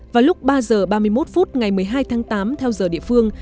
vào lúc ba h ba mươi một phút ngày một mươi hai tháng tám theo giờ địa phương